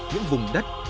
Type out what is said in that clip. những vùng đất